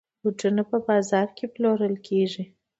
بوټونه په بازاز کې پلورل کېږي.